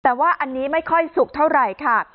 แต่ว่าอันนี้ไม่ค่อยสุกเท่าไหร่ค่ะ